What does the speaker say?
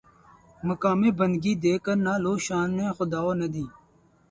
مقام بندگی دے کر نہ لوں شان خداوندی